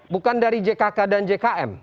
bukan dari jkk dan jkm